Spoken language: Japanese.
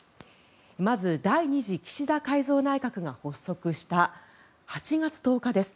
まず、第２次岸田改造内閣が発足した８月１０日です。